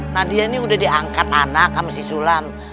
nah dia nih udah diangkat anak sama si sulam